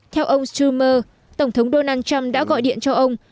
theo ông stremmer tổng thống donald trump đã gọi điện cho ông